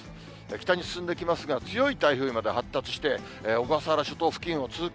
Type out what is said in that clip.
北に進んできますが、強い台風にまで発達して、小笠原諸島付近を通過。